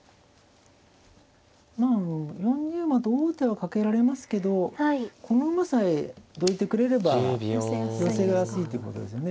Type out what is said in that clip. まあ４二馬と王手はかけられますけどこの馬さえどいてくれれば寄せやすいってことですよね。